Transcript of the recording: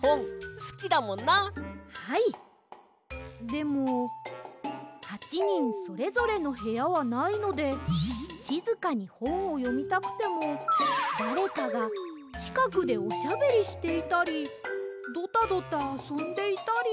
でも８にんそれぞれのへやはないのでしずかにほんをよみたくてもだれかがちかくでおしゃべりしていたりドタドタあそんでいたり。